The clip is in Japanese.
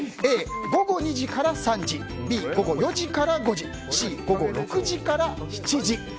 Ａ、午後２時から３時Ｂ、午後４時から５時Ｃ、午後６時から７時。